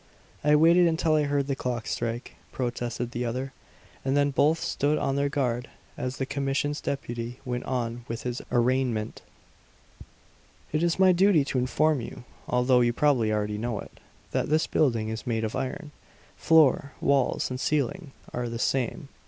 "I waited until I heard the clock strike," protested the other; and then both stood on their guard as the commission's deputy went on with his arraignment: "It is my duty to inform you, although you probably already know it, that this building is made of iron. Floor, walls, and ceiling are the same."